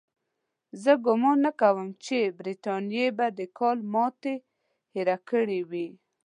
زه ګومان نه کوم چې برټانیې به د کال ماتې هېره کړې وي.